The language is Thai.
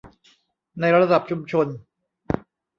ในระดับชุมชน